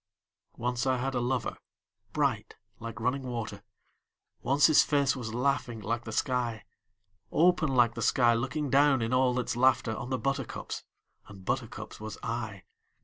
Once I had a lover bright like running water, Once his face was laughing like the sky; Open like the sky looking down in all its laughter On the buttercups and buttercups was I.